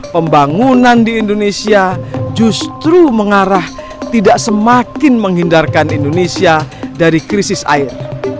pembangunan di indonesia justru mengarah tidak semakin menghindarkan indonesia dari krisis air